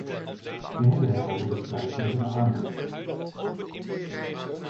We hebben het over de strijd tegen de armoede.